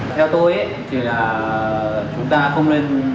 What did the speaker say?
theo tôi thì là chúng ta không nên